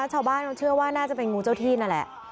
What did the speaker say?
ชาวบ้านเขาเชื่อว่าน่าจะเป็นงูเจ้าที่นั่นแหละ